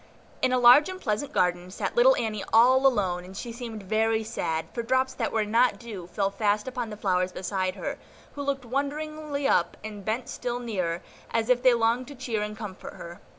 In a large and pleasant garden sat little Annie all alone, and she seemed very sad, for drops that were not dew fell fast upon the flowers beside her, who looked wonderingly up, and bent still nearer, as if they longed to cheer and comfort her.